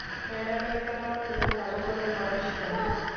ম্যাডামের জামা খুলে ভালো করে মালিশ করো।